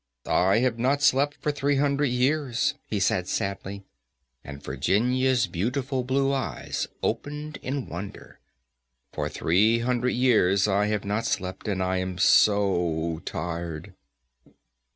"I have not slept for three hundred years," he said sadly, and Virginia's beautiful blue eyes opened in wonder; "for three hundred years I have not slept, and I am so tired."